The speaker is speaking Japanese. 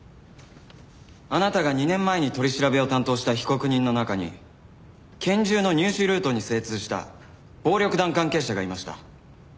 あなたが２年前に取り調べを担当した被告人の中に拳銃の入手ルートに精通した暴力団関係者がいました。